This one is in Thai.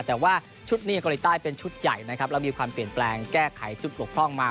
แต่ว่าชุดนี้เกาหลีใต้เป็นชุดใหญ่นะครับแล้วมีความเปลี่ยนแปลงแก้ไขจุดบกพร่องมา